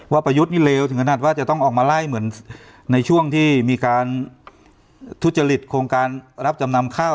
ประยุทธ์นี่เลวถึงขนาดว่าจะต้องออกมาไล่เหมือนในช่วงที่มีการทุจริตโครงการรับจำนำข้าว